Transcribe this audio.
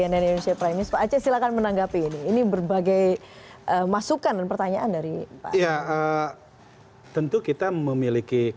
ada polin curiosity di bawah biodata kasual universities